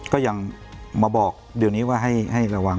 ก็ยังมาบอกเดี๋ยวนี้ว่าให้ระวัง